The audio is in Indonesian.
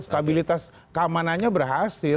stabilitas keamanannya berhasil